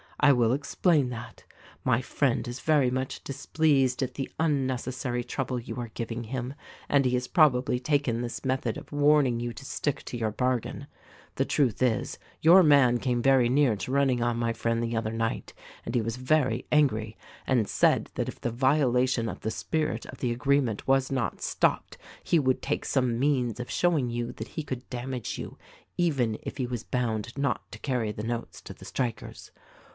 I will explain that: My friend is very much displeased at the unnecessary trouble you are giving him — and he has probably taken this method of warning you to stick to your bargain. The truth is, your man came very near to run ning on my friend the other night, and he was very angry and said that if the violation of the spirit of the agree ment was not stopped he would take some means of show ing you that he could damage you even if he was bound THE RECORDING ANGEL 177 not to carry the notes to the strikers.